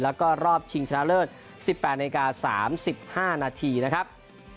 แล้วก็รอบชิงชนะเลิศ๑๘นาที๓๕นาทีนะครับ